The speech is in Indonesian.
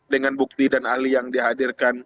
dengan bukti dan ahli yang dihadirkan